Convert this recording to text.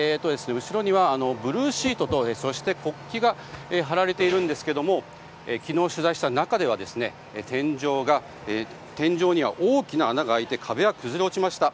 後ろにはブルーシートと国旗が張られているんですけども昨日、取材した中では天井には大きな穴が開いて壁は崩れ落ちました。